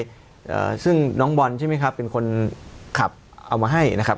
อ่าซึ่งน้องบอลใช่ไหมครับเป็นคนขับเอามาให้นะครับ